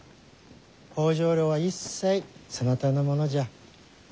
北条領は一切そなたのものじゃ。